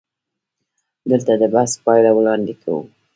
دلته د بحث پایله وړاندې کوو.